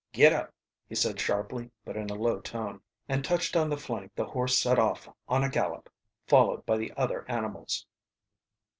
"Get up!" he said sharply but in a low tone, and touched on the flank the horse set off on a gallop, followed by the other animals.